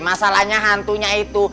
masalahnya hantunya itu